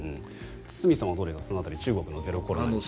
堤さんはその辺り中国のゼロコロナ政策は。